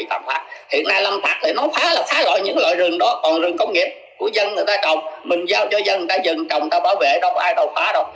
bị tạm phát hiện nay lâm thạc thì nó phá là phá loại những loại rừng đó còn rừng công nghiệp của dân người ta trồng mình giao cho dân người ta dừng trồng ta bảo vệ đâu có ai đâu phá đâu